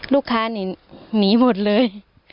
ลูกค้านี่หนีหมดเลย